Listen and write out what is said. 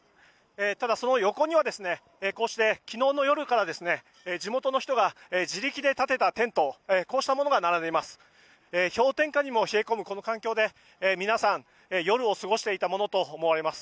ただ、その横にはこうして昨日の夜から地元の人が自力で建てたテントこうしたものが並んでいます。